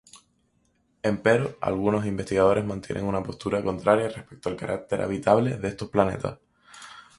Empero, algunos investigadores mantienen una postura contraria respecto al carácter habitable de estos planetas.